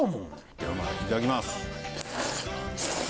ではまあいただきます。